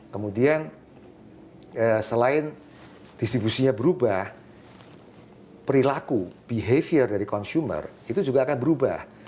kemudian selain distribusinya berubah perilaku behavior dari consumer itu juga akan berubah